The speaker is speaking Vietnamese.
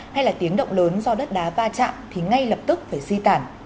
hay là tiếng động lớn do đất đá va chạm thì ngay lập tức phải di tản